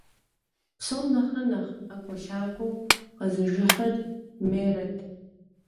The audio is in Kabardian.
Псом нэхърэ нэхъ ӀэкӀуэлъакӀуэу къэзыжыхьыр Мерэтт.